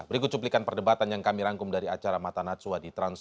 berikut cuplikan perdebatan yang kami rangkum dari acara mata natsua di trans tujuh